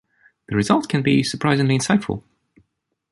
The result can be surprisingly insightful.